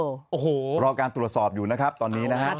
รอบรการตรวจสอบอยู่นะครับตอนนี้นะครับ